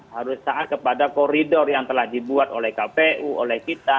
harus taat kepada koridor yang telah dibuat oleh kpu oleh kita